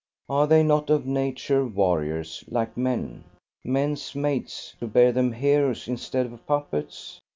Are they not of nature warriors, like men? men's mates to bear them heroes instead of puppets?